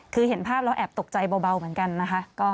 คือเห็นภาพแล้วแอบตกใจเบาเหมือนกันนะคะ